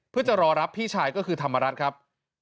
เพื่อจะรอรับพี่ชายก็คือธรรมรัฐครับ